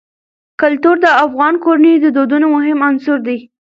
کلتور د افغان کورنیو د دودونو مهم عنصر دی.